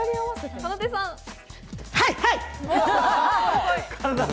はい、はい！